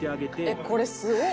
えっこれすごっ！